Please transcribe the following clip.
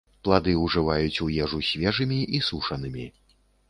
Плады ўжываюць у ежу свежымі і сушанымі.